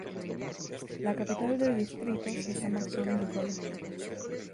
La capital del distrito se llama San Nicolás.